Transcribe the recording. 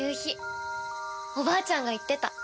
おばあちゃんが言ってた。